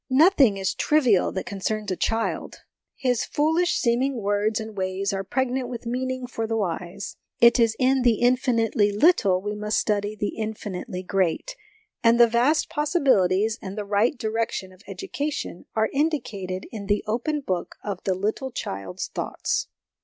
Nothing is trivial that concerns a child ; his foolish seeming words and ways are pregnant with meaning for the wise. It is in the infinitely little we must study the infinitely great ; and the vast possibilities, and the right direction of education, are indicated in the open book of the little child's thoughts.